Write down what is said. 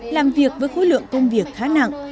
làm việc với khối lượng công việc khá nặng